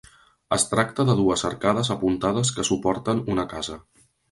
Es tracta de dues arcades apuntades que suporten una casa.